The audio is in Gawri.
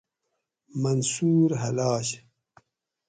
منصور حلاج